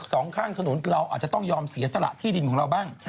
สองข้างถนนเราอาจจะต้องยอมเสียสละที่ดินของเราบ้าง